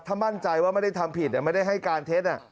ถ้ามั่นใจว่าไม่ได้ทำผิดไม่ได้ให้การเท็จ